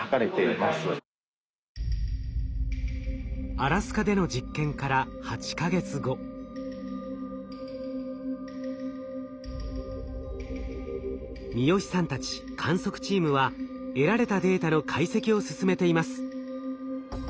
アラスカでの実験から三好さんたち観測チームは得られたデータの解析を進めています。